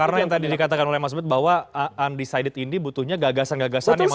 karena yang tadi dikatakan oleh mas ubet bahwa undecided ini butuhnya gagasan gagasan